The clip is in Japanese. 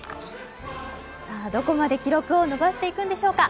どこまで記録を伸ばしていくのでしょうか。